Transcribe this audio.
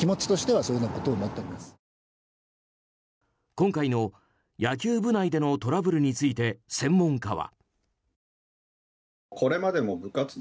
今回の野球部内でのトラブルについて専門家は。